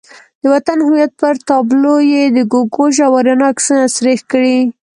د وطن هویت پر تابلو یې د ګوګوش او آریانا عکسونه سریښ کړي.